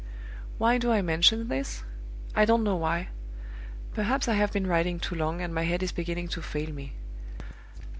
"Why do I mention this? I don't know why. Perhaps I have been writing too long, and my head is beginning to fail me.